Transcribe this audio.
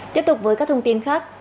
tiếp tục với các thông tin khác